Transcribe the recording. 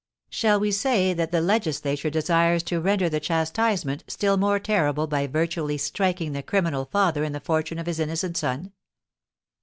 Shall we say that the legislature desires to render the chastisement still more terrible by virtually striking the criminal father in the fortune of his innocent son?